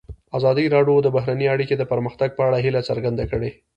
ازادي راډیو د بهرنۍ اړیکې د پرمختګ په اړه هیله څرګنده کړې.